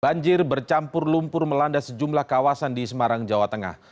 banjir bercampur lumpur melanda sejumlah kawasan di semarang jawa tengah